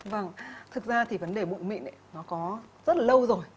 vâng thực ra thì vấn đề bụi mịn nó có rất là lâu rồi